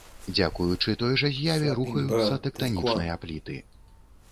Дзякуючы той жа з'яве рухаюцца тэктанічныя пліты.